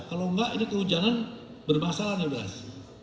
kalau enggak ini kehujanan bermasalah nebras